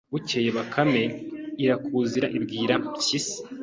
Bukeye Bakame irakuzira ibwira ya mpyisi